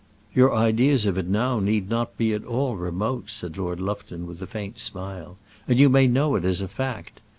"Your ideas of it now need not be at all remote," said Lord Lufton, with a faint smile; "and you may know it as a fact.